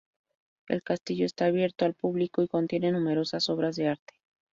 El castillo está abierto al público y contiene numerosas obras de arte.